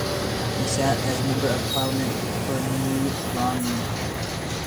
He sat as Member of Parliament for New Romney.